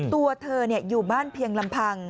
ตัวเธออยู่บ้านเพียงลำพัง